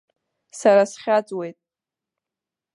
Сара схьаҵуеит.